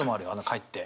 帰って。